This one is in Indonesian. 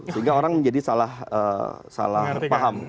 sehingga orang menjadi salah paham